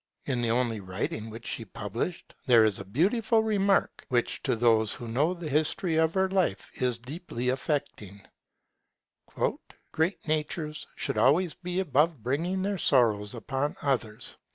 In the only writing which she published, there is a beautiful remark, which to those who know the history of her life is deeply affecting: 'Great natures should always be above bringing their sorrows upon others'.